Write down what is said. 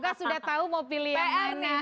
dan juga sudah tahu mau pilih yang mana